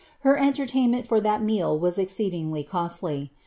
Her entertainment for that meal was exceedingly costly.